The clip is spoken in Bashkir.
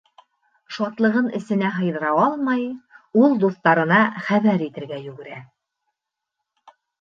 Шатлығын эсенә һыйҙыра алмай, ул дуҫтарына хәбәр итергә йүгерә.